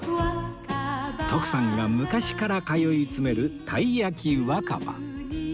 徳さんが昔から通い詰めるたいやきわかば